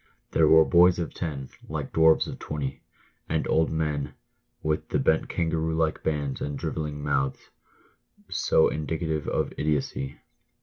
There were boys of ten, like dwarfs of twenty ; and old men, with the bent kangaroo like hands and drivelling mouth, so indicative of idiocy.